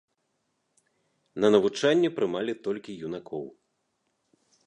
На навучанне прымалі толькі юнакоў.